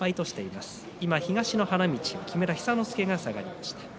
東の花道木村寿之介が下がりました。